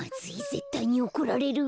ぜったいにおこられる。